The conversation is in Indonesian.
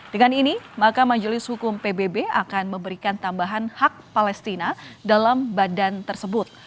dengan ini maka majelis hukum pbb akan memberikan tambahan hak palestina dalam badan tersebut